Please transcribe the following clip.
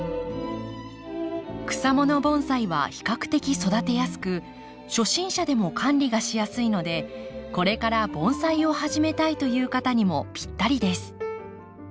草もの盆栽は比較的育てやすく初心者でも管理がしやすいのでこれから盆栽を始めたいという方にもぴったりです。